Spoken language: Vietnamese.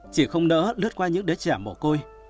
chỉ không nỡ lướt qua những đứa trẻ mổ côi